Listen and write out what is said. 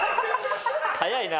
早いな。